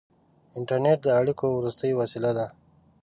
• انټرنېټ د اړیکو وروستۍ وسیله ده.